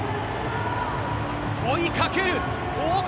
追いかける王国